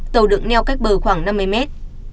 tàu đựng neo cách bờ khoảng năm mươi mét